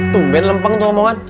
tungguin lempeng itu omongan